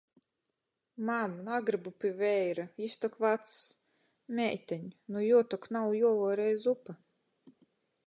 Mam, nagrybu pi veira, jis tok vacs! Meiteņ, nu juo tok nav juovuorej zupa!